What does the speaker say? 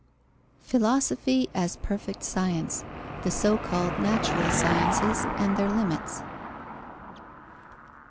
_Philosophy as perfect science. The so called natural sciences, and their limits.